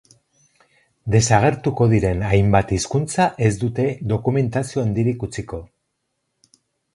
Desagertuko diren hainbat hizkuntza ez dute dokumentazio handirik utziko.